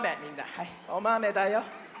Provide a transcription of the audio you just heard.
はいおまめだよ。